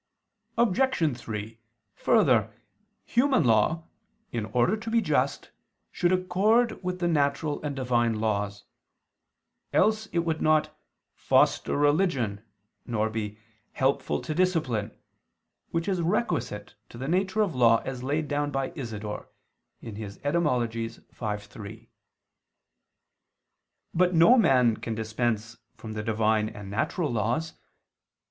Obj. 3: Further, human law, in order to be just, should accord with the natural and Divine laws: else it would not "foster religion," nor be "helpful to discipline," which is requisite to the nature of law, as laid down by Isidore (Etym. v, 3). But no man can dispense from the Divine and natural laws.